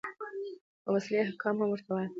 او اصلي احکام هم ورته وايي.